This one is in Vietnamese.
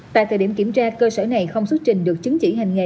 tại thời điểm kiểm tra cơ sở này không xuất trình được chứng chỉ hành nghề